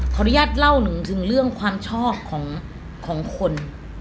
ขออนุญาตเล่าถึงเรื่องความชอบของคน